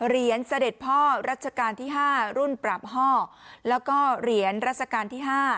เสด็จพ่อรัชกาลที่๕รุ่นปราบห้อแล้วก็เหรียญรัชกาลที่๕